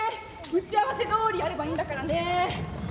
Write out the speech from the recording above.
打ち合わせどおりやればいいんだからね。